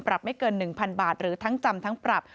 ไม่เกิน๑๐๐๐บาทหรือทั้งจำทั้งปรับ